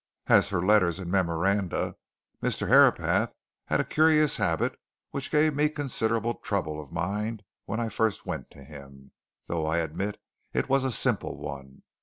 As to letters and memoranda, Mr. Herapath had a curious habit which gave me considerable trouble of mind when I first went to him, though I admit it was a simple one.